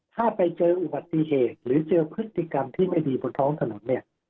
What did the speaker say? ถ้าไปเจออุบัติเหตุหรือเจอพฤติกรรมที่ไม่ดีบนท้องถนนเนี่ย